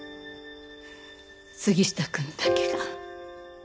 杉下くんだけが。